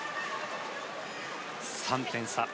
３点差。